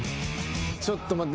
ちょっと待って。